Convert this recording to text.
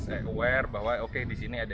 aware bahwa oke disini ada